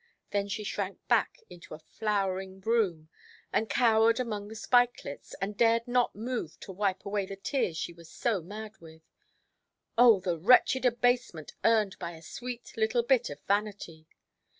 Then she shrank back into a flowering broom, and cowered among the spikelets, and dared not move to wipe away the tears she was so mad with. Oh! the wretched abasement earned by a sweet little bit of vanity!